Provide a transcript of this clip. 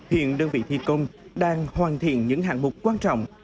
hiện đơn vị thi công đang hoàn thiện những hạng mục quan trọng